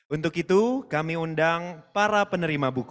untuk itu kami undang para penerima buku